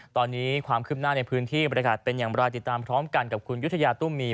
ตอนนี้ความคืบหน้าในพื้นที่บริการเป็นอย่างไรติดตามพร้อมกันกับคุณยุธยาตุ้มมี